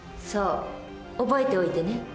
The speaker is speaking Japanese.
覚えておいてね。